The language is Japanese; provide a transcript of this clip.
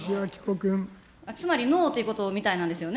つまりノーということみたいなんですよね。